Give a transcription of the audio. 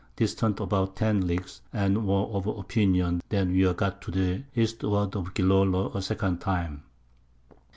distant about 10 Leagues, and were of Opinion, that we were got to the Eastward of Gillolo a second Time.